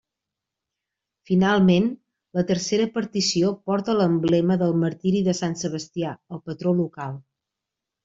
Finalment, la tercera partició porta l'emblema del martiri de sant Sebastià, el patró local.